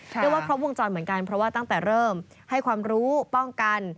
เพราะว่าพรบวงจรเหมือนกันตั้งแต่เริ่มให้ความรู้ป้องกัน